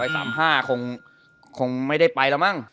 ต่อไป๓๕คงไม่ได้ไปแล้วมั้ง